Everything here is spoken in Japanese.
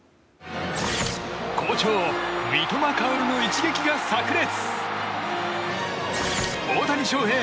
好調・三笘薫の一撃が炸裂！